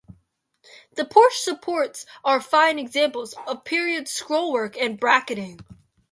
The porch supports are fine examples of period scrollwork and bracketing.